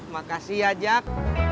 makasih ya jak